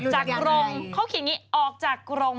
กรงเขาเขียนอย่างนี้ออกจากกรง